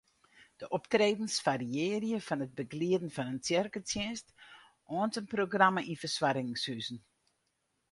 De optredens fariearje fan it begelieden fan in tsjerketsjinst oant in programma yn fersoargingshuzen.